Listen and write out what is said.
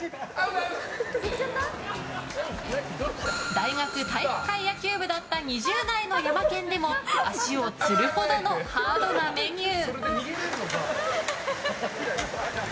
大学体育会野球部だった２０代のヤマケンでも足をつるほどのハードなメニュー。